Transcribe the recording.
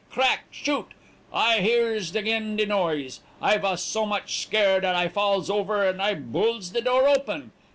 crack! shoot! I hears again de noise. I vas so much scare dat I falls over, and I bulls de door open.